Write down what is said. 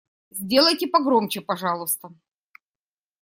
Сделайте погромче, пожалуйста.